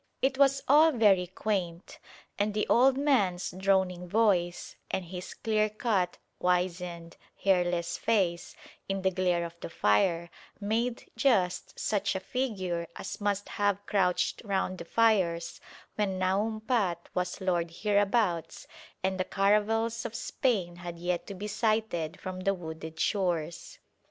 It was all very quaint, and the old man's droning voice and his clearcut, wizened, hairless face in the glare of the fire made just such a figure as must have crouched round the fires when Naum Pat was lord hereabouts and the caravels of Spain had yet to be sighted from the wooded shores.